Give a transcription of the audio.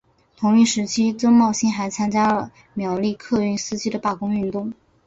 同一时期曾茂兴还参加了苗栗客运司机的罢工运动。